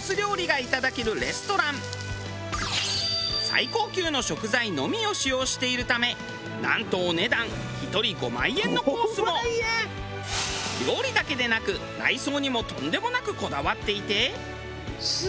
最高級の食材のみを使用しているためなんとお値段料理だけでなく内装にもとんでもなくこだわっていて。